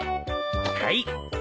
はい。